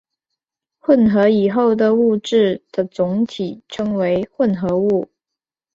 混合以后的物质的总体称作混合物。